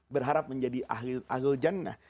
berharap menjadi ahli jannah